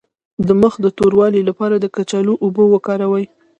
د مخ د توروالي لپاره د کچالو اوبه وکاروئ